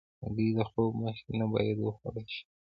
هګۍ د خوب مخکې نه باید وخوړل شي.